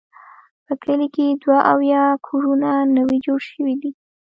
په کلي کې دوه اویا کورونه نوي جوړ شوي دي.